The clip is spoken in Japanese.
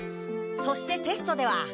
そしてテストでは。